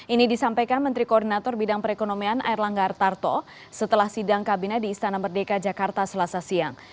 ini disampaikan menteri koordinator bidang perekonomian air langgar tarto setelah sidang kabinet di istana merdeka jakarta selasa siang